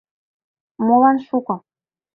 Молан шуко?